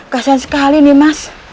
kesan sekali nih mas